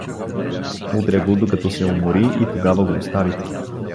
Удря го, докато се умори, и тогава го остави.